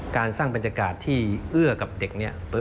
การสร้างบรรยากาศที่เอื้อกับเด็กนี้